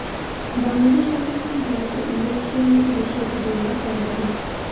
বাংলাদেশ, পাকিস্তান, ভারত ও ইন্দোনেশিয়ার মত দেশে এটা দুর্লভ বলা চলে।